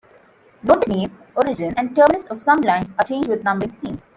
Note that name, origin and terminus of some lines are changed with numbering scheme.